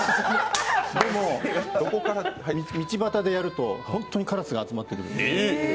でも、道端でやると本当にカラスが集まってくる。